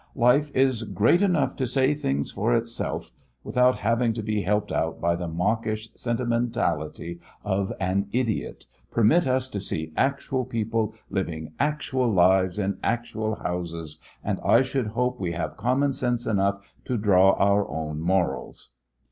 "Life is great enough to say things for itself, without having to be helped out by the mawkish sentimentality of an idiot! Permit us to see actual people, living actual lives, in actual houses, and I should hope we have common sense enough to draw our own morals!"